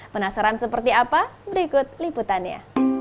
penasaran seperti apa berikut liputannya